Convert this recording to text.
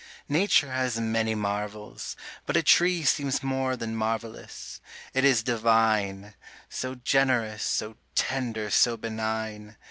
Nature has many marvels; but a tree Seems more than marvellous. It is divine. So generous, so tender, so benign.